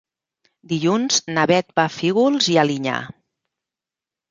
Dilluns na Bet va a Fígols i Alinyà.